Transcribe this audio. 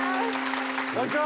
こんにちは！